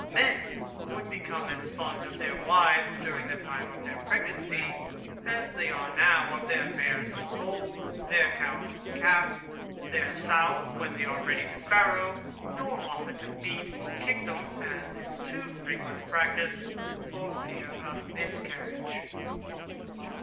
Men would become as fond of their wives, during the time of their pregnancy, as they are now of their mares in foal, their cows in calf, or sows when they are ready to farrow; nor offer to beat or kick them (as is too frequent a practice) for fear of a miscarriage.